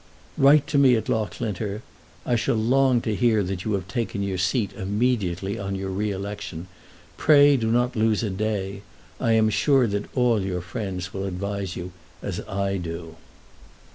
Write to me at Loughlinter. I shall long to hear that you have taken your seat immediately on your re election. Pray do not lose a day. I am sure that all your friends will advise you as I do.